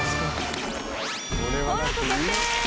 登録決定！